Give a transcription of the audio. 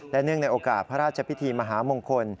และเนื่องในโอกาสพระราชพิธีมหามงคล